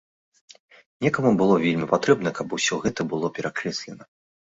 Некаму было вельмі патрэбна, каб усё гэта было перакрэслена.